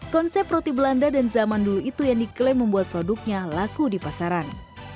konsep roti belanda dan zaman dulu itu yang diklaim membuat produknya laku di pasaran